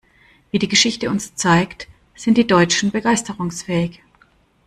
Wie die Geschichte uns zeigt, sind die Deutschen begeisterungsfähig.